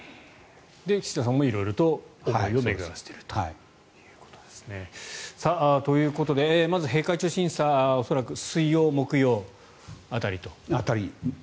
岸田さんも色々と思いを巡らせていると。ということで、まず閉会中審査恐らく水曜、木曜辺りと。